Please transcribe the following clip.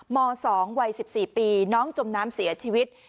ม๒วัย๑๔ปีน้องจมน้ำเสียชีวิต